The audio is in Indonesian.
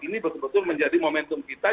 ini betul betul menjadi momentum kita